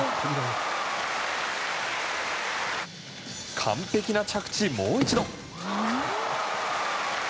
完璧な着地、もう一度！